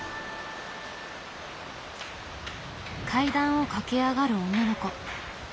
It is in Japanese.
階段を駆け上がる女の子。